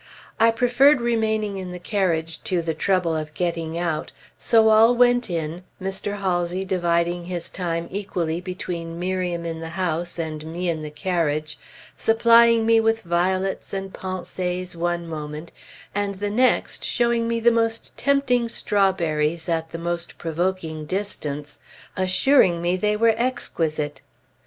I preferred remaining in the carriage, to the trouble of getting out; so all went in, Mr. Halsey dividing his time equally between Miriam in the house and me in the carriage, supplying me with violets and pensées one moment, and the next showing me the most tempting strawberries at the most provoking distance, assuring me they were exquisite.